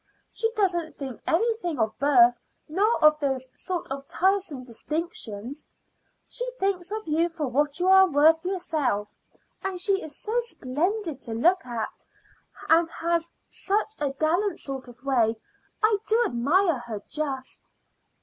She doesn't think anything of birth, nor of those sort of tiresome distinctions; she thinks of you for what you are worth yourself. And she is so splendid to look at, and has such a gallant sort of way. I do admire her just!"